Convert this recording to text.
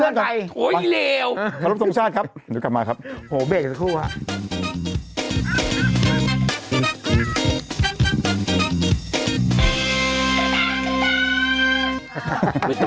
โอ้โฮไอ้เหรียวพระรับทรงชาติครับเดี๋ยวกลับมาครับโอ้โฮเบรกสักครู่ครับ